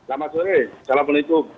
selamat sore assalamualaikum